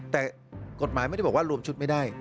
แต่กฎหมายไม่ได้บอกว่ารวมชุดไม่ได้